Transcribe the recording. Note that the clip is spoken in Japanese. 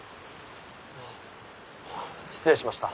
あ失礼しました。